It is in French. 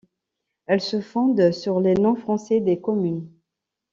Elle se fonde sur les noms français des communes.